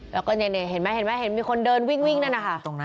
แล้วก็เห็นมั้ยมีคนเดินวิ่งเนี่ยนะคะ